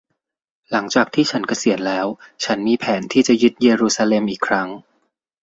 หลังจากที่ฉันเกษียณแล้ว ฉันมีแผนที่จะยึดเยรูซาเล็มอีกครั้ง